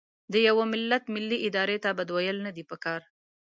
د یوه ملت ملي ارادې ته بد ویل نه دي پکار.